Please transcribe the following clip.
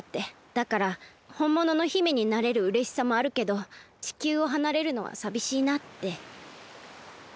だからほんものの姫になれるうれしさもあるけど地球をはなれるのはさびしいなって。